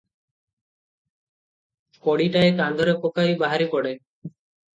କୋଡ଼ିଟାଏ କାନ୍ଧରେ ପକାଇ ବାହାରି ପଡ଼େ ।